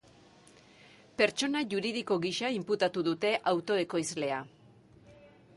Pertsona juridiko gisa inputatu dute auto ekoizlea.